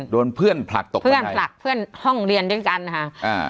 โดนเพื่อนผลักตกเพื่อนผลักเพื่อนห้องเรียนด้วยกันนะคะอ่า